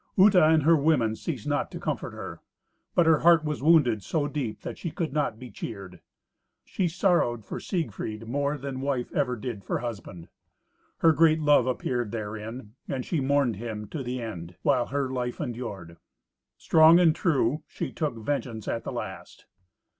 Uta and her women ceased not to comfort her. But her heart was wounded so deep that she could not be cheered. She sorrowed for Siegfried more than wife ever did for husband. Her great love appeared therein, and she mourned him to the end, while her life endured. Strong and true she took vengeance at the last.